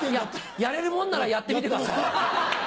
やれるもんならやってみてください。